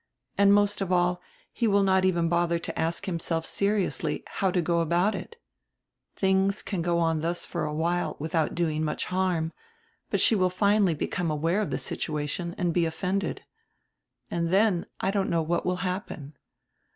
And, most of all, he will not even bother to ask himself seriously how to go about it. Things can go on thus for a while widiout doing much harm, but she will finally become aware of die situa tion and be offended. And dien I don't know what will happen.